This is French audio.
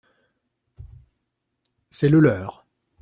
C’est le leur.